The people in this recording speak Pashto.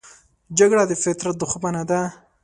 جګړه د فطرت دښمنه ده